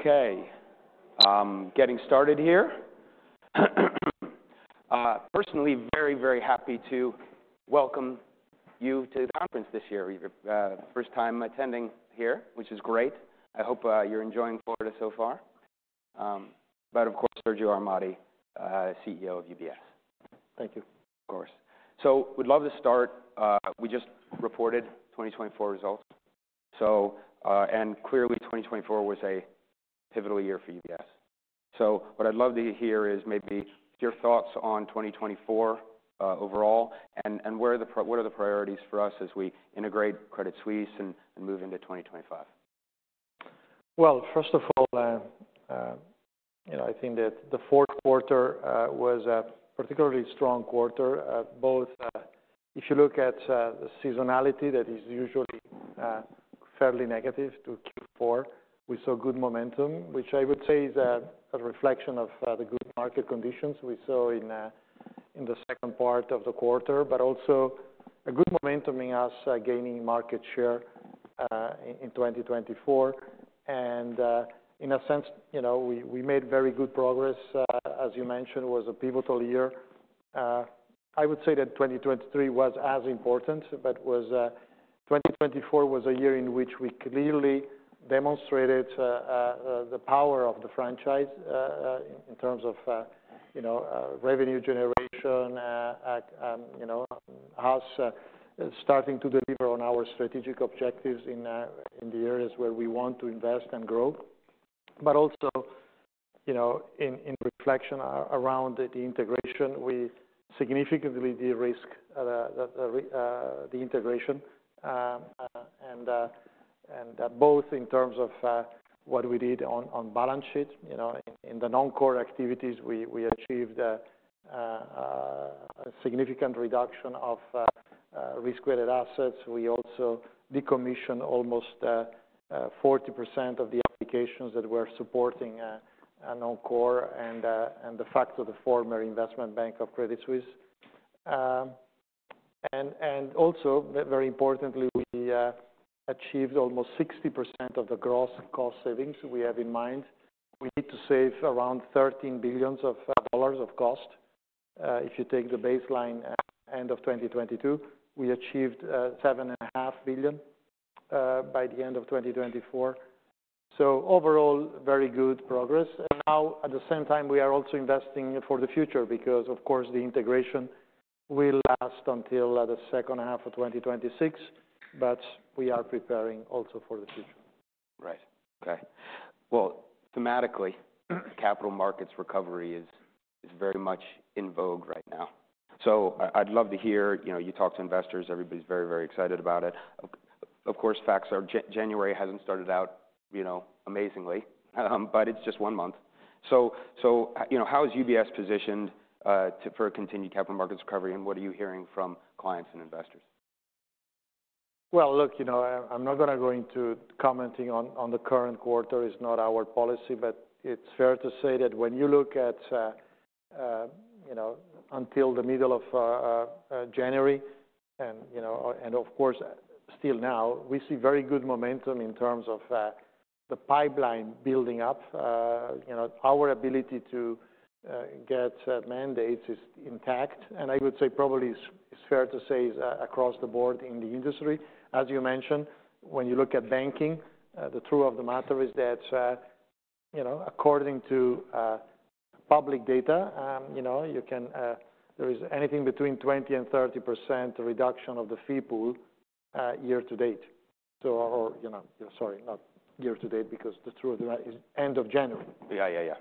Okay, getting started here. Personally, very happy to welcome you to the conference this year, first time attending here, which is great. I hope you're enjoying Florida so far, but of course, Sergio Ermotti, CEO of UBS. Thank you. We'd love to start. We just reported 2024 results. Clearly, 2024 was a pivotal year for UBS. What I'd love to hear is maybe your thoughts on 2024 overall and the priorities for us as we integrate Credit Suisse and move into 2025. First of all, the fourth quarter was a particularly strong quarter, both if you look at the seasonality that is usually fairly negative to Q4, we saw good momentum, which I would say is a reflection of the good market conditions we saw in the second part of the quarter, but also a good momentum in us gaining market share in 2024, and in a sense we made very good progress, as you mentioned, was a pivotal year. I would say that 2023 was as important, but 2024 was a year in which we clearly demonstrated the power of the franchise in terms of revenue generation, us starting to deliver on our strategic objectives in the areas where we want to invest and grow. But also in reflection, around the integration, we significantly de-risked the integration, and both in terms of what we did on balance sheet in the non-core activities, we achieved a significant reduction of risk-weighted assets. We also decommissioned almost 40% of the applications that were supporting non-core and the IT of the former investment bank of Credit Suisse. And also, very importantly, we achieved almost 60% of the gross cost savings we have in mind. We need to save around $13 billion of cost. If you take the baseline, end of 2022, we achieved $7.5 billion by the end of 2024. Overall, very good progress. Now, at the same time, we are also investing for the future because, of course, the integration will last until the second half of 2026, but we are preparing also for the future. Right. Okay. Well, thematically, capital markets recovery is very much in vogue right now. I'd love to hear you talk to investors, everybody's very, very excited about it. Facts are, January hasn't started out amazingly, but it's just one month. How is UBS positioned for a continued capital markets recovery, and what are you hearing from clients and investors? Look I'm not gonna go into commenting on the current quarter. It's not our policy, but it's fair to say that when you look at until the middle of January, and of course still now, we see very good momentum in terms of the pipeline building up. Our ability to get mandates is intact, and I would say probably is fair to say is across the board in the industry. As you mentioned, when you look at banking, the truth of the matter is that according to public data there is anything between 20% and 30% reduction of the fee pool year to date. Sorry, not year to date because the truth of the matter is end of January. Yeah.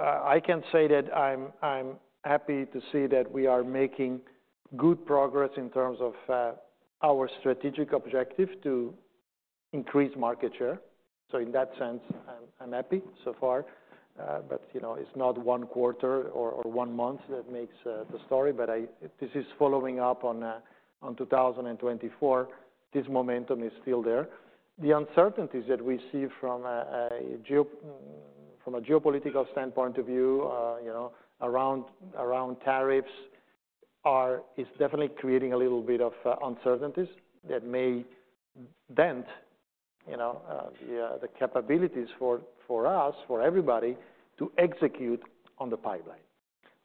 I can say that I'm happy to see that we are making good progress in terms of our strategic objective to increase market share. In that sense, I'm happy so far. But it's not one quarter or one month that makes the story, but this is following up on 2024. This momentum is still there. The uncertainties that we see from a geopolitical standpoint of view around tariffs is definitely creating a little bit of uncertainties that may bend the capabilities for us, for everybody to execute on the pipeline.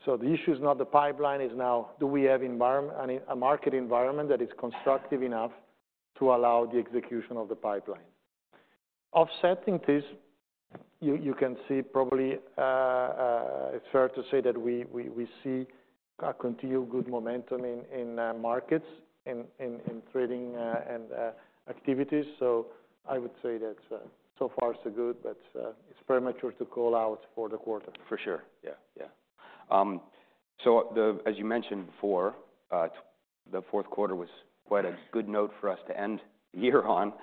The issue is not the pipeline. It's now, do we have, a market environment that is constructive enough to allow the execution of the pipeline? Offsetting this, you can see, probably it's fair to say that we see a continual good momentum in markets, in trading, and activities, so I would say that so far so good, but it's premature to call out for the quarter. For sure. Yeah. As you mentioned before, the fourth quarter was quite a good note for us to end the year on,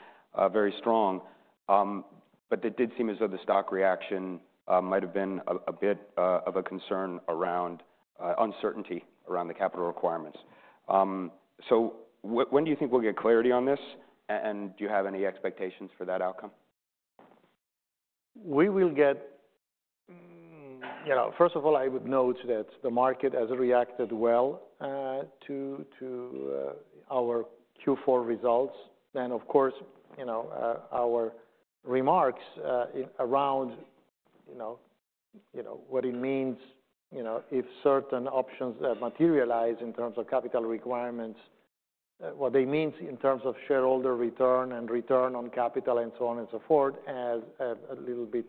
very strong. But it did seem as though the stock reaction might have been a bit of a concern around uncertainty around the capital requirements. When do you think we'll get clarity on this, and do you have any expectations for that outcome? We will get first of all, I would note that the market has reacted well to our Q4 results. And of course our remarks in and around what it means if certain options that materialize in terms of capital requirements, what they mean in terms of shareholder return and return on capital and so on and so forth, has a little bit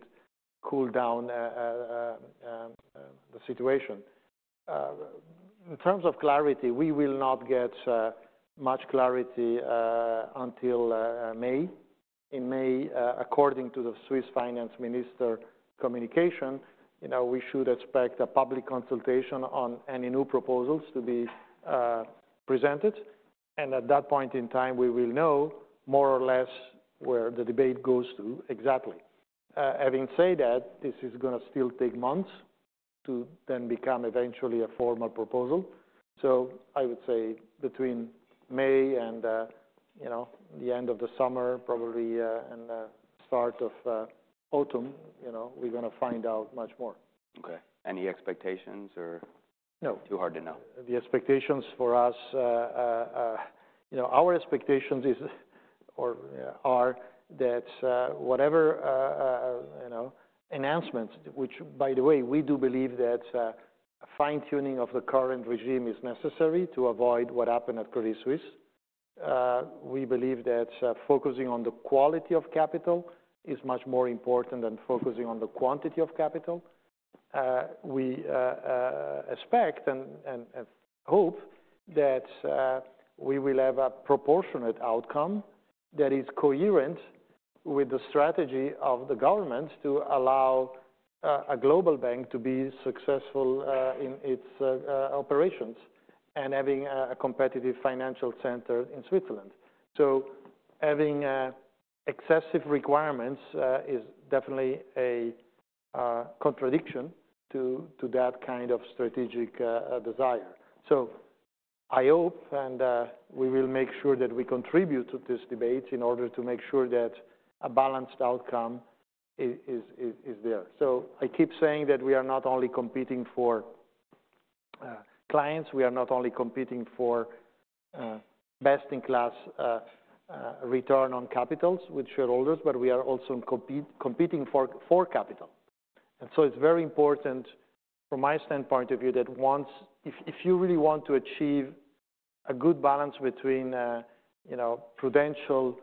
cooled down the situation. In terms of clarity, we will not get much clarity until May. In May, according to the Swiss Finance Minister communication we should expect a public consultation on any new proposals to be presented. And at that point in time, we will know more or less where the debate goes to exactly. Having said that, this is gonna still take months to then become eventually a formal proposal. So I would say between May and the end of the summer, probably, and start of autumn we're gonna find out much more. Okay. Any expectations or? No. Too hard to know? The expectations for us, our expectations are that, whatever enhancements, which, by the way, we do believe that, fine-tuning of the current regime is necessary to avoid what happened at Credit Suisse. We believe that, focusing on the quality of capital is much more important than focusing on the quantity of capital. We expect and hope that, we will have a proportionate outcome that is coherent with the strategy of the government to allow, a global bank to be successful, in its, operations and having a competitive financial center in Switzerland, so having excessive requirements is definitely a contradiction to that strategic desire, so I hope and we will make sure that we contribute to this debate in order to make sure that a balanced outcome is there. So I keep saying that we are not only competing for clients, we are not only competing for best-in-class return on capitals with shareholders, but we are also competing for capital. And so it's very important from my standpoint of view that if you really want to achieve a good balance between prudential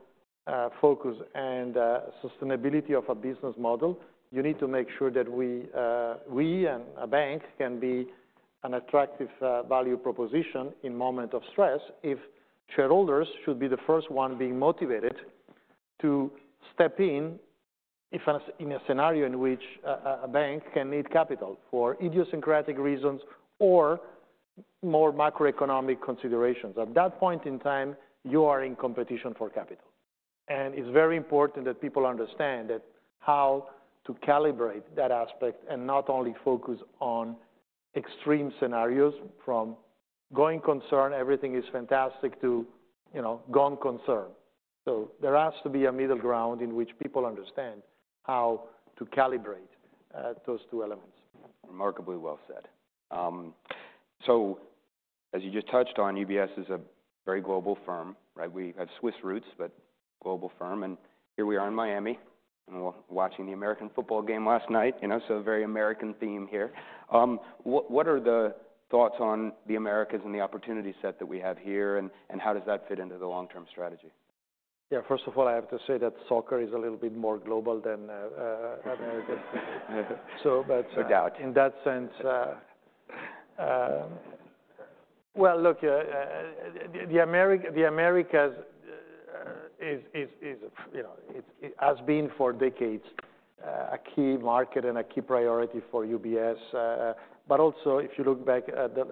focus and sustainability of a business model, you need to make sure that we and a bank can be an attractive value proposition in moment of stress if shareholders should be the first one being motivated to step in if in a scenario in which a bank can need capital for idiosyncratic reasons or more macroeconomic considerations. At that point in time, you are in competition for capital. It's very important that people understand that how to calibrate that aspect and not only focus on extreme scenarios from going concern, everything is fantastic, to gone concern. There has to be a middle ground in which people understand how to calibrate, those two elements. Remarkably well said. As you just touched on, UBS is a very global firm, right? We have Swiss roots, but global firm. And here we are in Miami, and we're watching the American football game last night so very American theme here. What are the thoughts on the Americas and the opportunity set that we have here, and how does that fit into the long-term strategy? Yeah. First of all, I have to say that soccer is a little bit more global than Americas. But. No doubt. In that sense, well, look, the Americas it has been for decades, a key market and a key priority for UBS. But also if you look back at the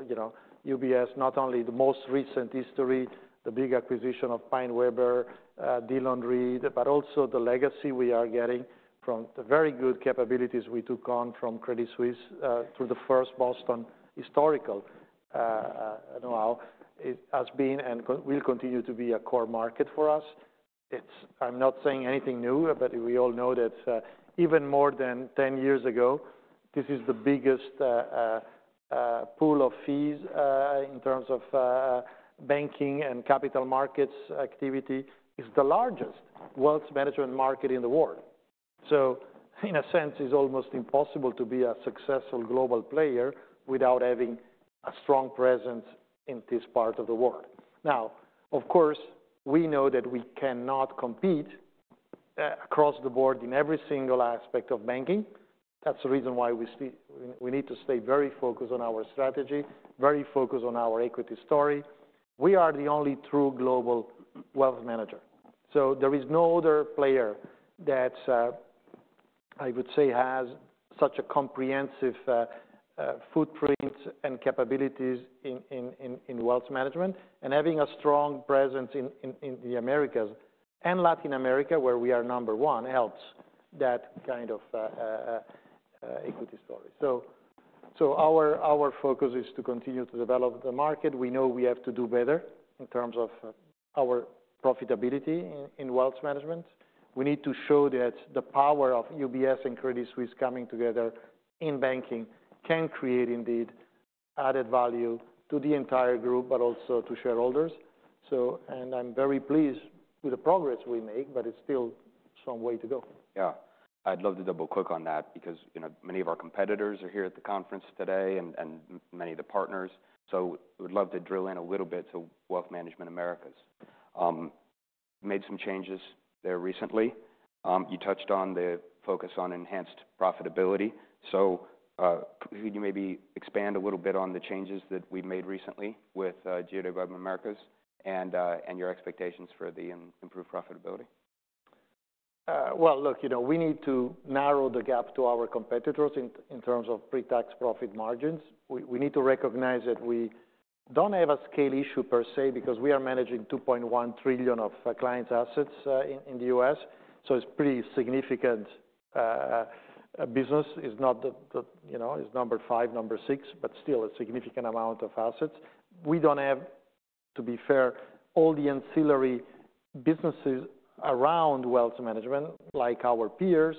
UBS, not only the most recent history, the big acquisition of PaineWebber, Dillon Read, but also the legacy we are getting from the very good capabilities we took on from Credit Suisse, through the First Boston historical, now has been and will continue to be a core market for us. It's, I'm not saying anything new, but we all know that, even more than 10 years ago, this is the biggest pool of fees, in terms of banking and capital markets activity. It's the largest wealth management market in the world. So in a sense, it's almost impossible to be a successful global player without having a strong presence in this part of the world. Now, of course, we know that we cannot compete across the board in every single aspect of banking. That's the reason why we need to stay very focused on our strategy, very focused on our equity story. We are the only true global wealth manager. There is no other player that, I would say, has such a comprehensive footprint and capabilities in wealth management. And having a strong presence in the Americas and Latin America, where we are number one, helps that equity story. Our focus is to continue to develop the market. We know we have to do better in terms of our profitability in wealth management. We need to show that the power of UBS and Credit Suisse coming together in banking can create indeed added value to the entire group, but also to shareholders. And I'm very pleased with the progress we make, but it's still some way to go. Yeah. I'd love to double-click on that because many of our competitors are here at the conference today and many of the partners. We'd love to drill in a little bit to Wealth Management Americas. You made some changes there recently. You touched on the focus on enhanced profitability. Could you maybe expand a little bit on the changes that we've made recently with GeoDevelopment Americas and your expectations for the improved profitability? Well, look we need to narrow the gap to our competitors in terms of pre-tax profit margins. We need to recognize that we don't have a scale issue per se because we are managing 2.1 trillion of clients' assets in the U.S. It's pretty significant business. It's not the it's number five, number six, but still a significant amount of assets. We don't have, to be fair, all the ancillary businesses around wealth management like our peers,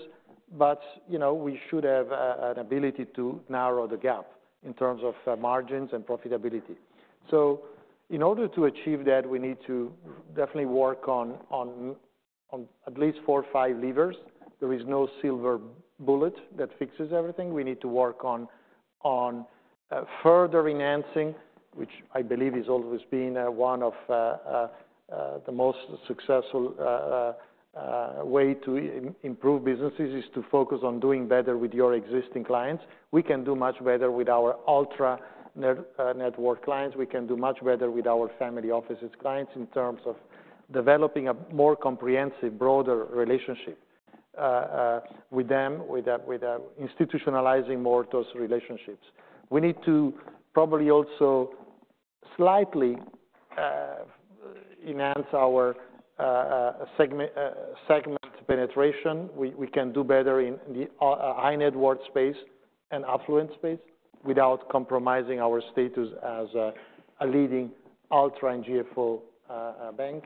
but we should have an ability to narrow the gap in terms of margins and profitability. In order to achieve that, we need to definitely work on at least four or five levers. There is no silver bullet that fixes everything. We need to work on further enhancing, which I believe has always been one of the most successful way to improve businesses is to focus on doing better with your existing clients. We can do much better with our ultra-high-net-worth clients. We can do much better with our family offices clients in terms of developing a more comprehensive, broader relationship with them, with institutionalizing more those relationships. We need to probably also slightly enhance our segment penetration. We can do better in the high net worth space and affluent space without compromising our status as a leading ultra and GFO bank.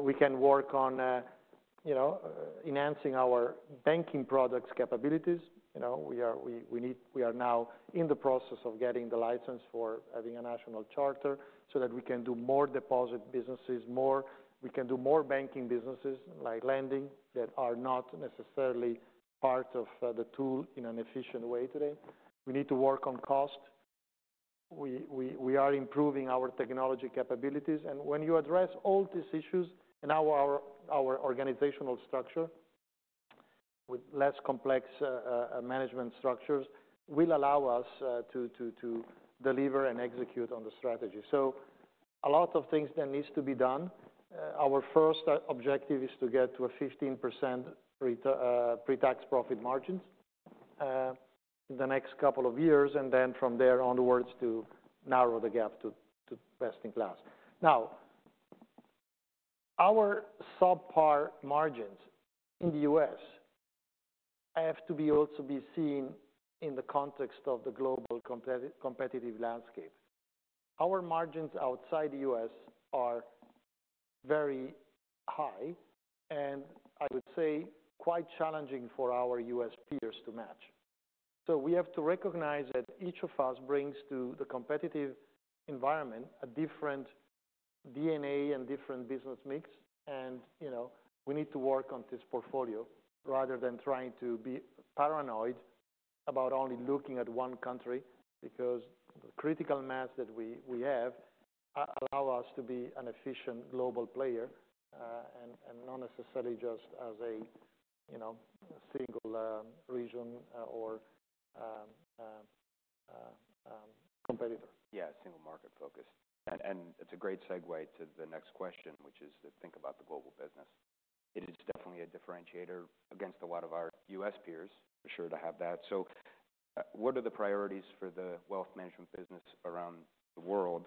We can work on enhancing our banking products capabilities. We need, we are now in the process of getting the license for having a national charter so that we can do more deposit businesses, more banking businesses like lending that are not necessarily part of the toolkit in an efficient way today. We need to work on cost. We are improving our technology capabilities. When you address all these issues and our organizational structure with less complex management structures will allow us to deliver and execute on the strategy. A lot of things that needs to be done. Our first objective is to get to a 15% pre-tax profit margins in the next couple of years, and then from there onwards to narrow the gap to best-in-class. Now, our subpar margins in the U.S. have to be also seen in the context of the global competitive landscape. Our margins outside the U.S. are very high, and I would say quite challenging for our U.S. peers to match, so we have to recognize that each of us brings to the competitive environment a different DNA and different business mix, and we need to work on this portfolio rather than trying to be paranoid about only looking at one country because the critical mass that we have allow us to be an efficient global player, and not necessarily just as a single region or competitor. Yeah. Single market focus. And it's a great segue to the next question, which is to think about the global business. It is definitely a differentiator against a lot of our U.S. peers, for sure, to have that. What are the priorities for the wealth management business around the world,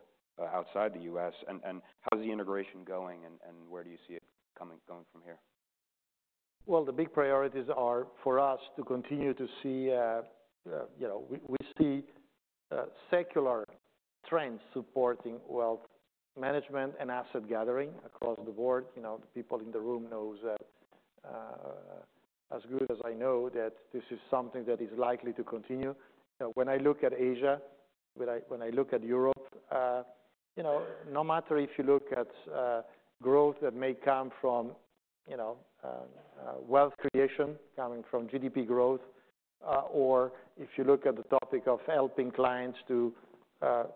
outside the U.S.? And how's the integration going, and where do you see it going from here? The big priorities are for us to continue to see we see, secular trends supporting wealth management and asset gathering across the board. People in the room knows, as good as I know that this is something that is likely to continue. When I look at Asia, when I look at Europe, no matter if you look at, growth that may come from wealth creation coming from GDP growth, or if you look at the topic of helping clients to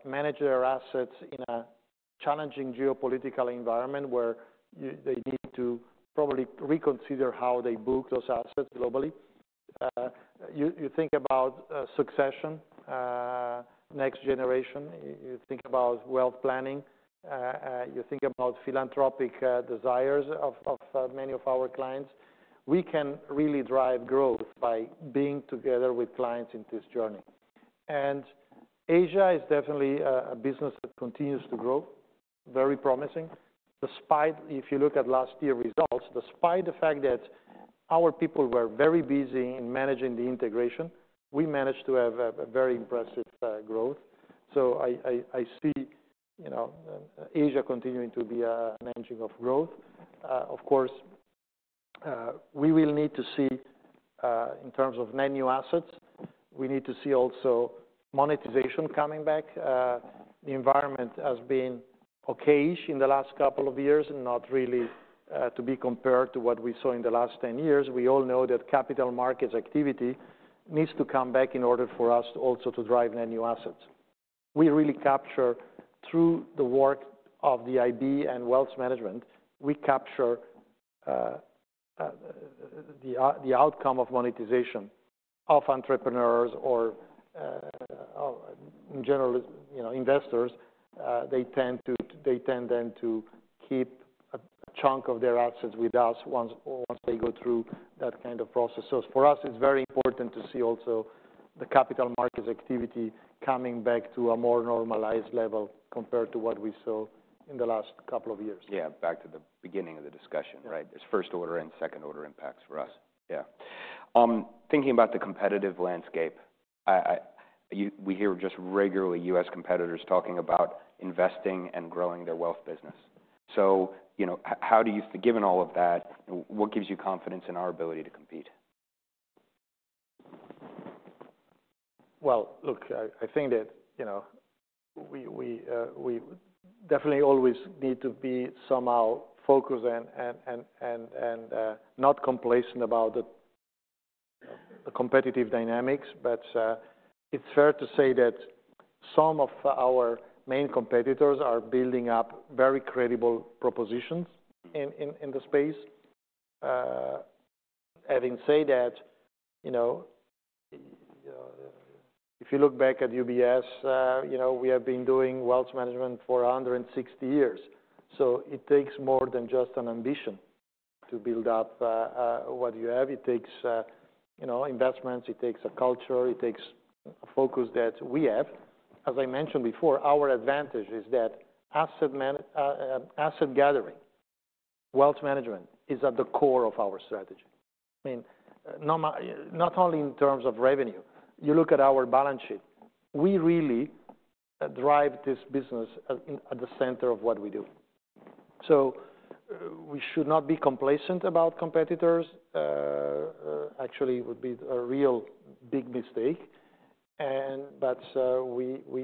manage their assets in a challenging geopolitical environment where they need to probably reconsider how they book those assets globally. You think about succession, next generation. You think about wealth planning. You think about philanthropic desires of many of our clients. We can really drive growth by being together with clients in this journey. Asia is definitely a business that continues to grow, very promising. Despite if you look at last year's results, despite the fact that our people were very busy in managing the integration, we managed to have a very impressive growth. I see Asia continuing to be an engine of growth. We will need to see, in terms of net new assets, we need to see also monetization coming back. The environment has been okay-ish in the last couple of years, not really to be compared to what we saw in the last 10 years. We all know that capital markets activity needs to come back in order for us also to drive net new assets. We really capture through the work of the IB and wealth management the outcome of monetization of entrepreneurs or in general investors. They tend then to keep a chunk of their assets with us once they go through that process. For us, it's very important to see also the capital markets activity coming back to a more normalized level compared to what we saw in the last couple of years. Yeah. Back to the beginning of the discussion, right? There's first order and second order impacts for us. Yeah. Thinking about the competitive landscape, we hear just regularly U.S. competitors talking about investing and growing their wealth business. How do you, given all of that, what gives you confidence in our ability to compete? Look, we definitely always need to be somehow focused and not complacent about the competitive dynamics. But it's fair to say that some of our main competitors are building up very credible propositions in the space. Having said that, if you look back at UBS we have been doing wealth management for 160 years. It takes more than just an ambition to build up what you have. It takes investments. It takes a culture. It takes a focus that we have. As I mentioned before, our advantage is that asset management, asset gathering, wealth management is at the core of our strategy. Not only in terms of revenue. You look at our balance sheet. We really drive this business at the center of what we do. We should not be complacent about competitors. Actually would be a real big mistake. But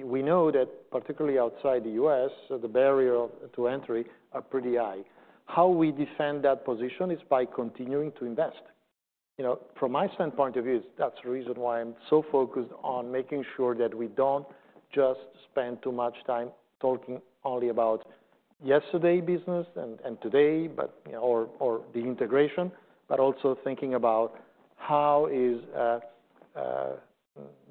we know that particularly outside the U.S., the barrier to entry are pretty high. How we defend that position is by continuing to invest. From my standpoint of view, that's the reason why I'm so focused on making sure that we don't just spend too much time talking only about yesterday business and today, but or the integration, but also thinking about how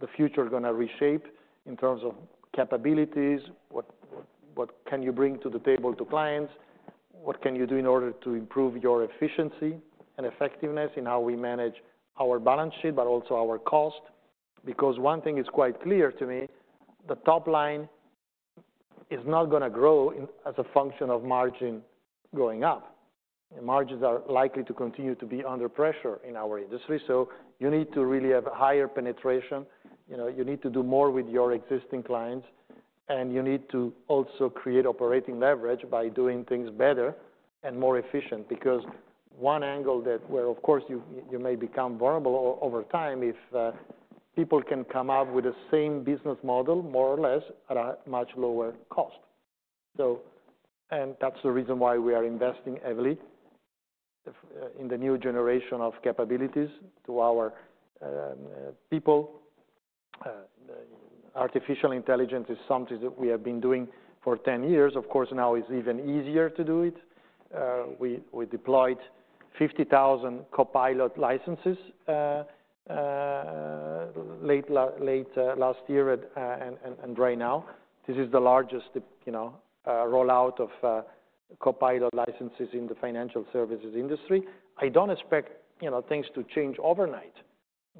the future gonna reshape in terms of capabilities, what can you bring to the table to clients, what can you do in order to improve your efficiency and effectiveness in how we manage our balance sheet, but also our cost. Because one thing is quite clear to me, the top line is not gonna grow in as a function of margin going up. Margins are likely to continue to be under pressure in our industry. You need to really have a higher penetration. You need to do more with your existing clients, and you need to also create operating leverage by doing things better and more efficient because one angle that where, of course, you may become vulnerable over time if people can come up with the same business model more or less at a much lower cost. And that's the reason why we are investing heavily in the new generation of capabilities to our people. Artificial intelligence is something that we have been doing for 10 years. Of course, now it's even easier to do it. We deployed 50,000 Copilot licenses late last year and right now. This is the largest rollout of Copilot licenses in the financial services industry. I don't expect things to change overnight,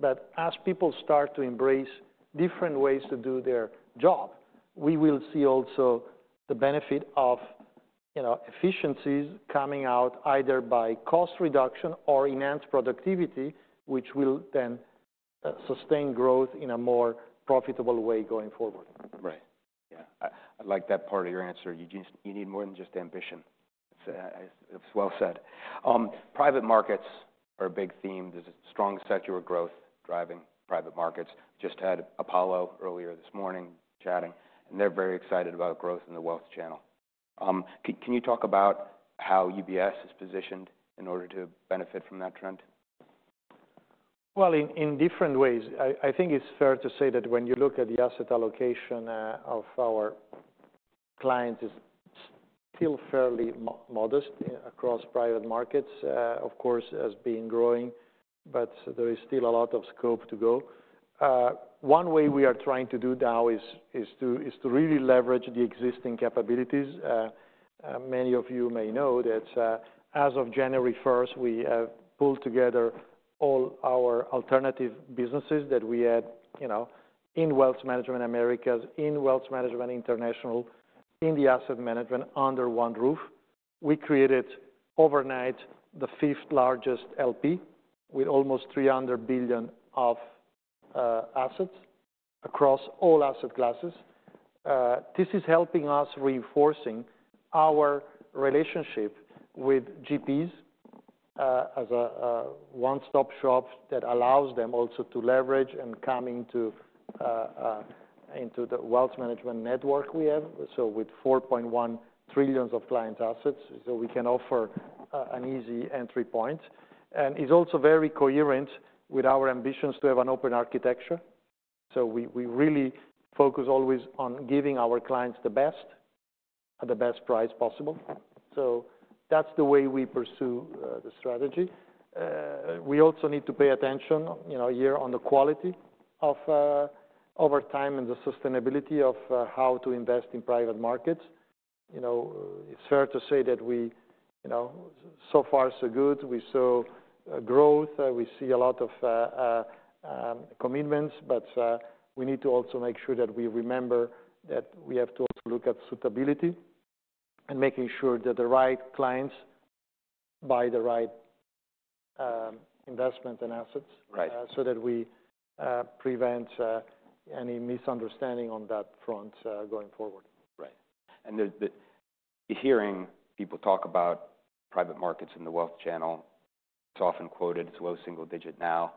but as people start to embrace different ways to do their job, we will see also the benefit of efficiencies coming out either by cost reduction or enhanced productivity, which will then sustain growth in a more profitable way going forward. Right. Yeah. I like that part of your answer. You just need more than just ambition. It's well said. Private markets are a big theme. There's a strong secular growth driving private markets. Just had Apollo earlier this morning chatting, and they're very excited about growth in the wealth channel. Can you talk about how UBS is positioned in order to benefit from that trend? In different ways. It's fair to say that when you look at the asset allocation of our clients, it's still fairly modest across private markets. It's being growing, but there is still a lot of scope to go. One way we are trying to do now is to really leverage the existing capabilities. Many of you may know that, as of January 1st, we have pulled together all our alternative businesses that we had in Wealth Management Americas, in Wealth Management International, in the asset management under one roof. We created overnight the fifth largest LP with almost 300 billion of assets across all asset classes. This is helping us reinforcing our relationship with GPs, as a one-stop shop that allows them also to leverage and come into the wealth management network we have. With $4.1 trillion of client assets, so we can offer an easy entry point. And it's also very coherent with our ambitions to have an open architecture. We really focus always on giving our clients the best at the best price possible. That's the way we pursue the strategy. We also need to pay attention here on the quality of over time and the sustainability of how to invest in private markets. It's fair to say that we so far so good. We saw growth. We see a lot of commitments, but we need to also make sure that we remember that we have to also look at suitability and making sure that the right clients buy the right investment and assets so that we prevent any misunderstanding on that front, going forward. Right. And then, hearing people talk about private markets in the wealth channel, it's often quoted as low single digit now.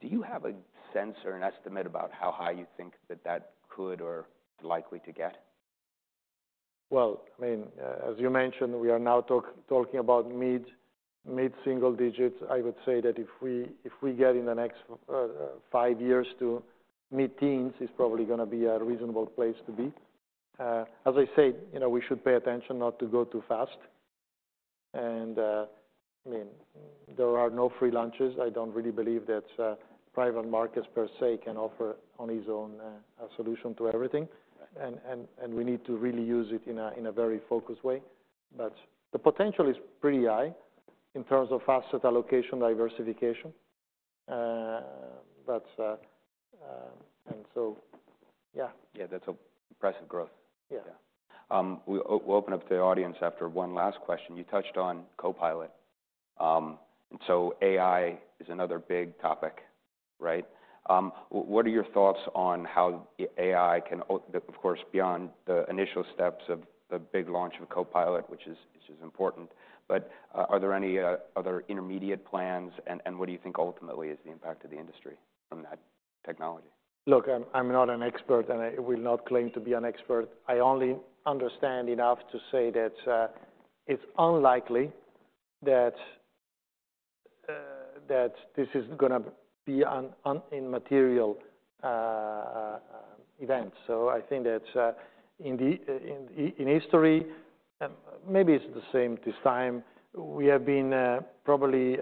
Do you have a sense or an estimate about how high you think that could or likely to get? Well, as you mentioned, we are now talking about mid single digits. I would say that if we get in the next five years to mid teens, it's probably gonna be a reasonable place to be. As I say we should pay attention not to go too fast. And there are no free lunches. I don't really believe that private markets per se can offer on its own a solution to everything. And we need to really use it in a very focused way. But the potential is pretty high in terms of asset allocation diversification. But, and so, yeah. Yeah. That's an impressive growth. We'll open up to the audience after one last question. You touched on Copilot, and so AI is another big topic, right? What are your thoughts on how AI can, of course, beyond the initial steps of the big launch of Copilot, which is important, but are there any other intermediate plans? And what do you think ultimately is the impact of the industry from that technology? Look, I'm not an expert, and I will not claim to be an expert. I only understand enough to say that it's unlikely that this is gonna be an immaterial event. That in history, maybe it's the same this time. We have been probably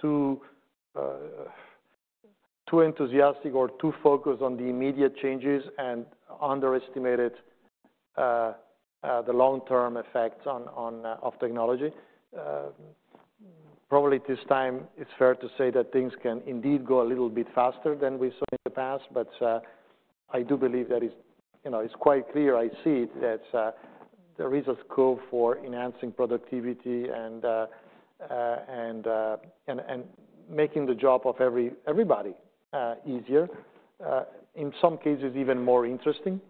too enthusiastic or too focused on the immediate changes and underestimated the long-term effects of technology. Probably this time it's fair to say that things can indeed go a little bit faster than we saw in the past. But I do believe that it's quite clear. I see that there is a scope for enhancing productivity and making the job of everybody easier, in some cases even more interesting.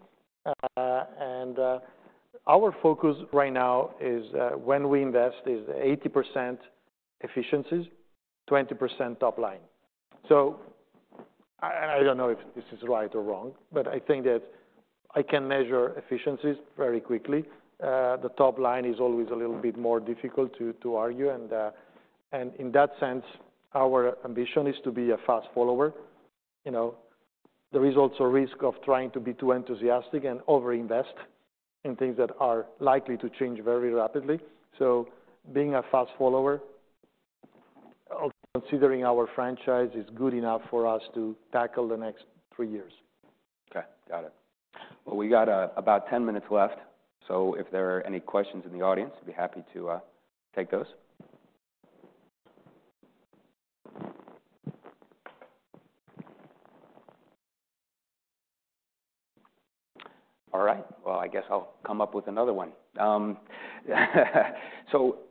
Our focus right now is, when we invest, 80% efficiencies, 20% top line. I don't know if this is right or wrong, but Ithat I can measure efficiencies very quickly. The top line is always a little bit more difficult to argue. In that sense, our ambition is to be a fast follower. There is also risk of trying to be too enthusiastic and overinvest in things that are likely to change very rapidly. Being a fast follower, considering our franchise is good enough for us to tackle the next three years. Okay. Got it. Well, we got about 10 minutes left. If there are any questions in the audience, I'd be happy to take those. All right. Well, I guess I'll come up with another one.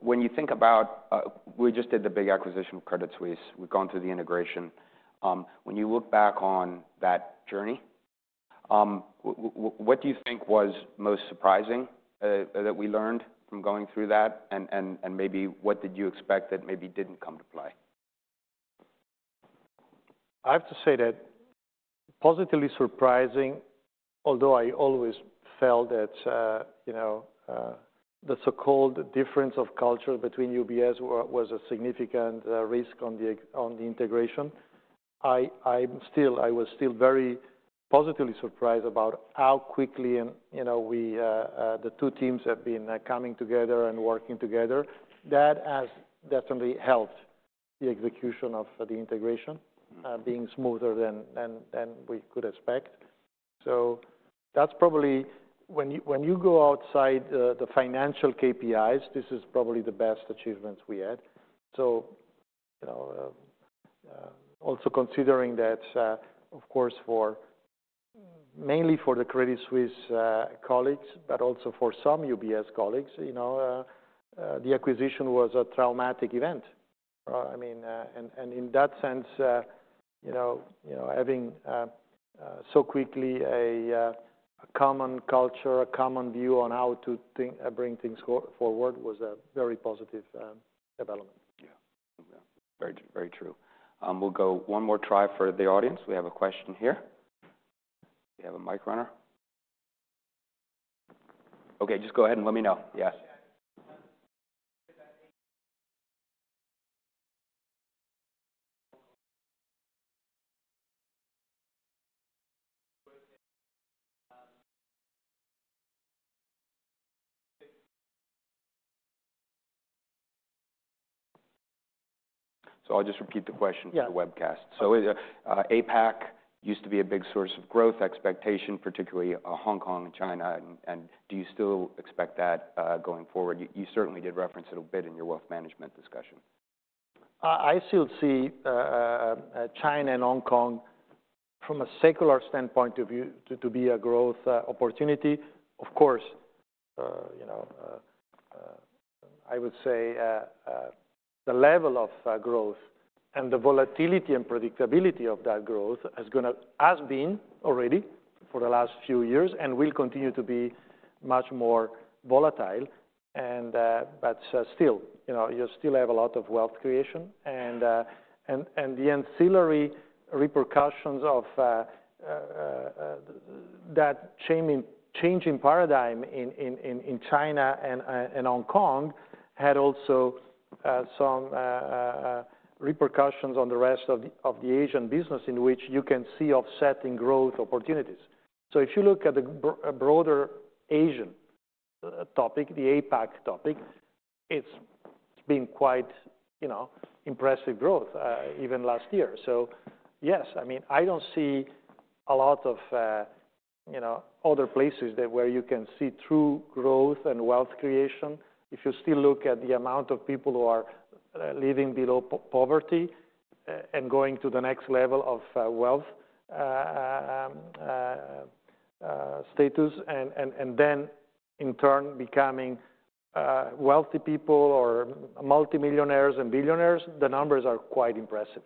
When you think about, we just did the big acquisition of Credit Suisse. We've gone through the integration. When you look back on that journey, what do you think was most surprising that we learned from going through that? And maybe what did you expect that maybe didn't come to play? I have to say that positively surprising, although I always felt that the so-called difference of culture between UBS was a significant risk on the integration. I still was still very positively surprised about how quickly and the two teams have been coming together and working together. That has definitely helped the execution of the integration, being smoother than we could expect. That's probably, when you go outside the financial KPIs, this is probably the best achievements we had. Also considering that, of course, mainly for the Credit Suisse colleagues, but also for some UBS colleagues the acquisition was a traumatic event. And in that sense having so quickly a common culture, a common view on how to think, bring things forward was a very positive development. Yeah. Very true. We'll go one more try for the audience. We have a question here. We have a mic runner. Okay. Just go ahead and let me know. Yes. I'll just repeat the question for the webcast. APAC used to be a big source of growth expectation, particularly Hong Kong and China. And do you still expect that, going forward? You certainly did reference it a bit in your wealth management discussion. I still see China and Hong Kong from a secular standpoint of view to be a growth opportunity. I would say the level of growth and the volatility and predictability of that growth has been already for the last few years and will continue to be much more volatile. But still you still have a lot of wealth creation. And the ancillary repercussions of that changing paradigm in China and Hong Kong had also some repercussions on the rest of the Asian business in which you can see offsetting growth opportunities. If you look at the broader Asian topic, the APAC topic, it's been quite impressive growth, even last year. Yes, I don't see a lot of other places where you can see true growth and wealth creation. If you still look at the amount of people who are living below poverty, and going to the next level of, wealth, status, and then in turn becoming, wealthy people or multimillionaires and billionaires, the numbers are quite impressive.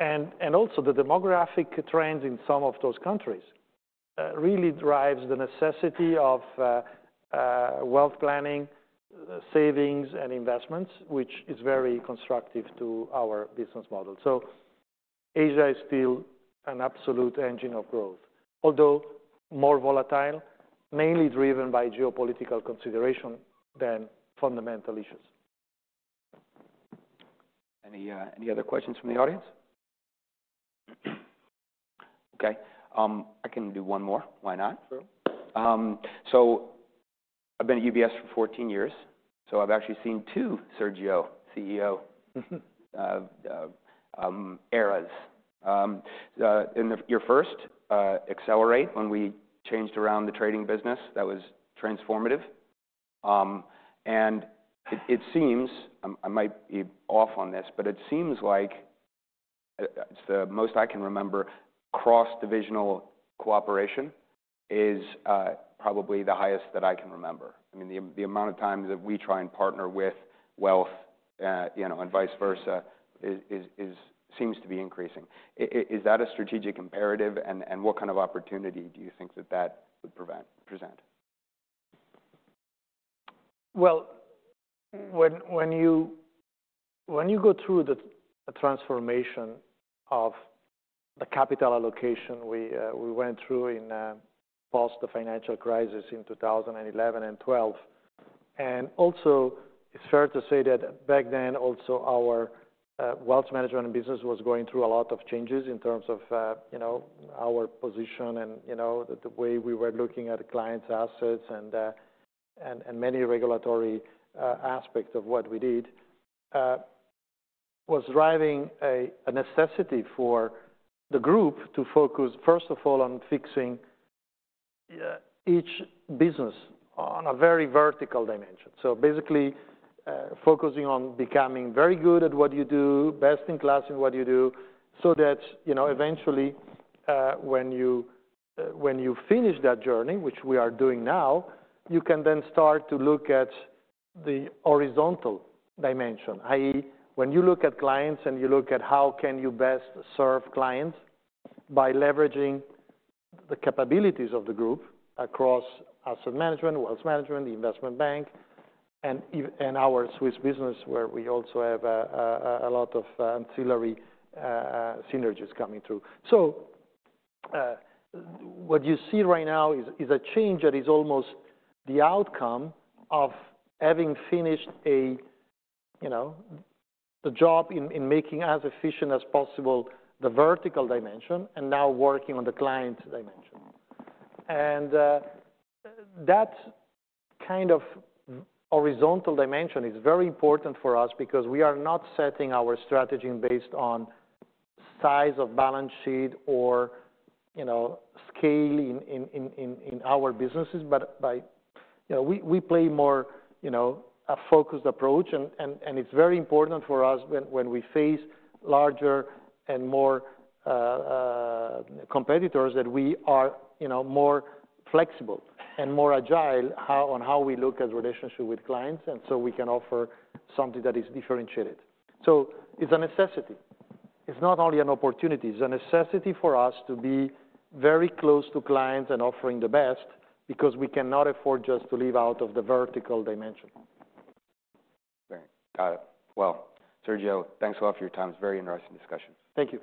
And also the demographic trends in some of those countries, really drives the necessity of, wealth planning, savings, and investments, which is very constructive to our business model. Asia is still an absolute engine of growth, although more volatile, mainly driven by geopolitical consideration than fundamental issues. Any other questions from the audience? Okay. I can do one more. Why not? I've been at UBS for 14 years. I've actually seen two Sergio CEO eras. In your first, Accelerate, when we changed around the trading business, that was transformative. And it seems, I might be off on this, but it seems like it's the most I can remember cross-divisional cooperation is probably the highest that I can remember. The amount of times that we try and partner with wealth and vice versa seems to be increasing. Is that a strategic imperative? And what opportunity do you think that that would present? Well, when you go through the transformation of the capital allocation we went through post the financial crisis in 2011 and 2012, and also it's fair to say that back then also our wealth management business was going through a lot of changes in terms of our position and the way we were looking at clients' assets and many regulatory aspects of what we did was driving a necessity for the group to focus, first of all, on fixing each business on a very vertical dimension. Basically, focusing on becoming very good at what you do, best in class in what you do, so that eventually, when you finish that journey, which we are doing now, you can then start to look at the horizontal dimension, i.e., when you look at clients and you look at how can you best serve clients by leveraging the capabilities of the group across asset management, wealth management, the investment bank, and our Swiss business where we also have a lot of ancillary synergies coming through. What you see right now is a change that is almost the outcome of having finished a the job in making as efficient as possible the vertical dimension and now working on the client dimension. And, that horizontal dimension is very important for us because we are not setting our strategy based on size of balance sheet or scale in our businesses, but we play more a focused approach. And it's very important for us when we face larger and more competitors that we are more flexible and more agile on how we look at relationship with clients. And so we can offer something that is differentiated. It's a necessity. It's not only an opportunity. It's a necessity for us to be very close to clients and offering the best because we cannot afford just to live out of the vertical dimension. Great. Got it. Well, Sergio, thanks a lot for your time. It's a very interesting discussion. Thank you.